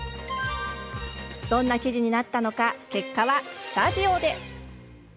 どんな記事になったのか結果はスタジオで。